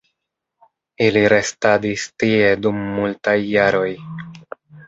Ili restadis tie dum multaj jaroj.